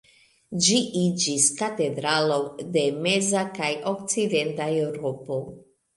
Ĝi iĝis katedralo de meza kaj okcidenta Eŭropo.